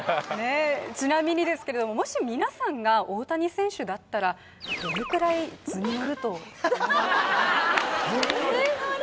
ちなみにですけれどもしみなさんが大谷選手だったらどれくらい図に乗ると図に乗る？